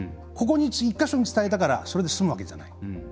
１か所に伝えたからそれで済むわけじゃない。